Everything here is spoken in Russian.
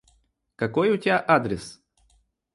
Какой у тебя адрес?